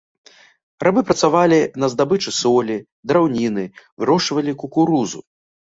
Рабы працавалі на здабычы солі, драўніны, вырошчвалі кукурузу.